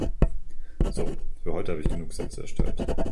So, für heute habe ich genug Sätze erstellt.